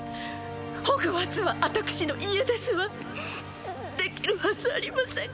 ホグワーツは私の家ですわできるはずありません